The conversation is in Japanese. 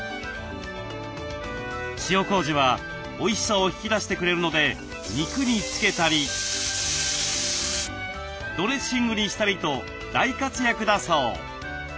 塩こうじはおいしさを引き出してくれるので肉につけたりドレッシングにしたりと大活躍だそう。